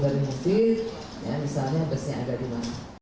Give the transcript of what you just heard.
jadi mungkin yang misalnya busnya ada di mana